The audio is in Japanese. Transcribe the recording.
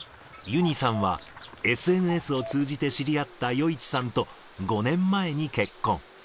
ユニさんは、ＳＮＳを通じて知り合った余一さんと、５年前に結婚。